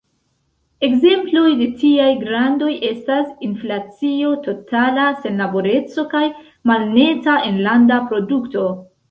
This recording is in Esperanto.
Ekzemploj de tiaj grandoj estas inflacio, totala senlaboreco kaj malneta enlanda produkto.